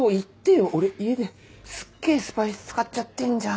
俺家ですっげぇスパイス使っちゃってんじゃん。